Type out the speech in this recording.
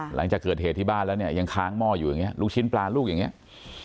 หลังจากเกิดเหตุที่บ้านแล้วเนี่ยยังค้างหม้ออยู่อย่างเงี้ลูกชิ้นปลาลูกอย่างนี้